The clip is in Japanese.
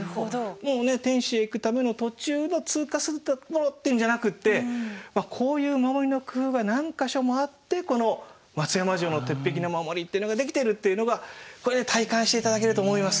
もうね天守へ行くための途中の通過する所っていうんじゃなくってこういう守りの工夫が何か所もあってこの松山城の鉄壁の守りっていうのができてるっていうのがこれで体感していただけると思います。